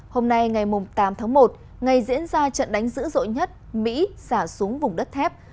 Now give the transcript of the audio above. hôm nay ngày tám tháng một ngày diễn ra trận đánh dữ dội nhất mỹ xả xuống vùng đất thép